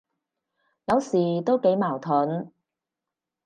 有時都幾矛盾，